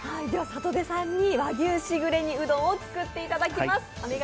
里出さんに和牛しぐれ煮うどんを作っていただきます。